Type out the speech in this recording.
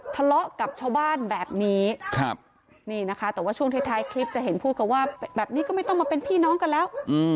ทะเลาะกับชาวบ้านแบบนี้นี่นะคะแต่ว่าช่วงท้ายคลิปจะเห็นพูดกันว่าแบบนี้ก็ไม่ต้องมาเป็นพี่น้องกันแล้ว